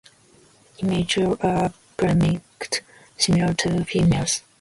Immatures are plumaged similar to females.